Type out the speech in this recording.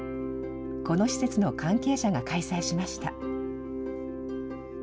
この施設の関係者が開催しました。